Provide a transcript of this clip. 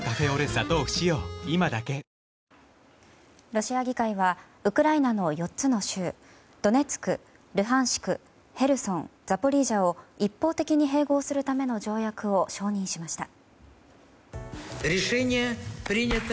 ロシア議会はウクライナの４つの州ドネツク、ルハンシク、ヘルソンザポリージャを一方的に併合するための条約を承認しました。